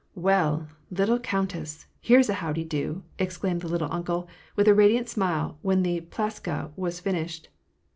" Well, little countess — here's ^ how de do !" exclaimed the " little uncle," with a radiant smile, when the plyaska was finished.